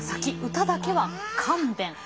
歌だけは勘弁！！」。